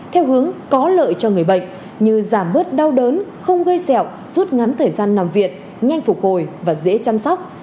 theo hướng có lợi cho người bệnh như giảm bớt đau đớn không gây xẹo rút ngắn thời gian nằm viện nhanh phục hồi và dễ chăm sóc